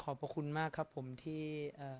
บอกเขายังไงบ้างกับสิ่งที่เขาได้เผยแชร์ต่อกัน